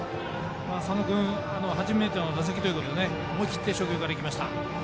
佐野君、初めての打席ということで思い切って初球からいきました。